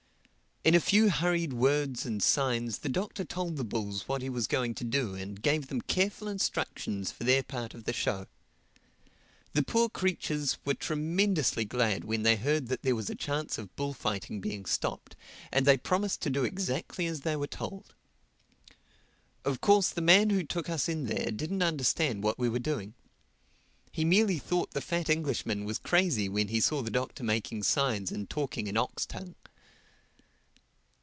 In a few hurried words and signs the Doctor told the bulls what he was going to do and gave them careful instructions for their part of the show. The poor creatures were tremendously glad when they heard that there was a chance of bullfighting being stopped; and they promised to do exactly as they were told. Of course the man who took us in there didn't understand what we were doing. He merely thought the fat Englishman was crazy when he saw the Doctor making signs and talking in ox tongue.